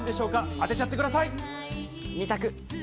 当てちゃってください。